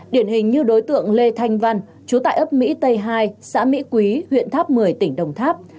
điển hình như đối tượng lê thanh văn chú tại ấp mỹ tây hai xã mỹ quý huyện tháp một mươi tỉnh đồng tháp